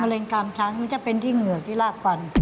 เร็งกามช้างมันจะเป็นที่เหงือกที่ลากฟัน